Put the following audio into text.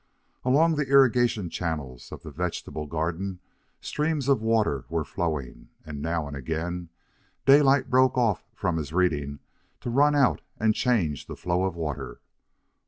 Along the irrigation channels of the vegetable garden streams of water were flowing, and now and again Daylight broke off from his reading to run out and change the flow of water.